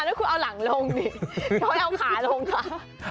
ก็คุณเอาหลังลงดิเค้าเอาขาลงค่ะ